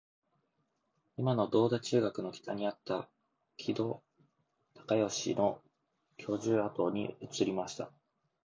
いまの銅駝中学の北にあった木戸孝允の住居跡に移りました